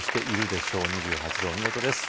２８度お見事です